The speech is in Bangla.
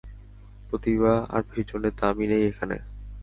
প্রতিভা আর বিসর্জনের দাম-ই নেই এখানে।